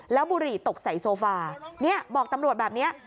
แล้วบุหรี่ตกใส่โซฟาบอกตำรวจแบบนี้